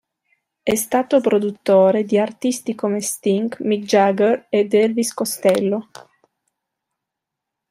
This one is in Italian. È stato produttore di artisti come Sting, Mick Jagger ed Elvis Costello.